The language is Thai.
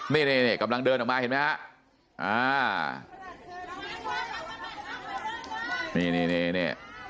เนี่ยกำลังเดินออกมาเห็นมั้ยฮะอ่า